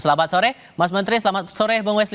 selamat sore mas menteri selamat sore bang wesli